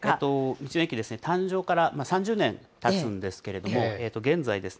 道の駅ですね、誕生から３０年たつんですけれども、現在です